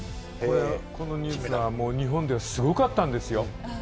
このニュースは日本ではすごかったんですよ。